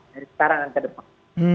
dari sekarang dan ke depan